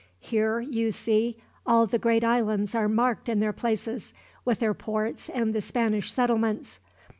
"Here, you see, all the great islands are marked in their places, with their ports and the Spanish settlements.